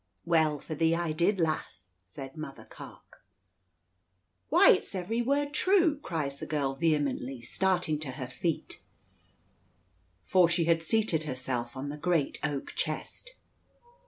"Well for thee I did, lass," says Mother Carke. "Why, it's every word true!" cries the girl vehemently, starting to her feet, for she had seated herself on the great oak chest.